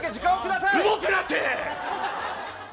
動くなって。